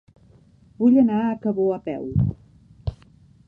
Vull anar a Cabó a peu.